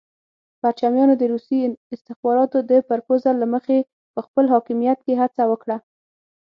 پرچمیانو د روسي استخباراتو د پرپوزل له مخې په خپل حاکمیت کې هڅه وکړه.